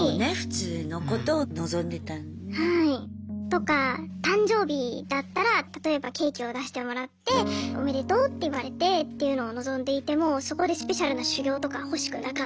とか誕生日だったら例えばケーキを出してもらっておめでとうって言われてっていうのを望んでいてもそこでスペシャルな修行とか欲しくなかったし。